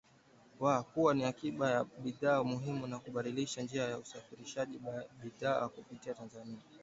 Wa kuwa na akiba ya bidhaa muhimu na kubadilisha njia ya usafirishaji bidhaa kupitia Tanzania.